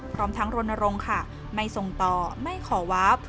พร้อมทั้งรณรงค์ค่ะไม่ส่งต่อไม่ขอวาบ